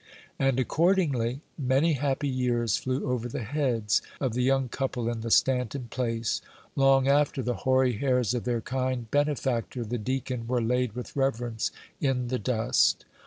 And accordingly, many happy years flew over the heads of the young couple in the Stanton place, long after the hoary hairs of their kind benefactor, the deacon, were laid with reverence in the dust.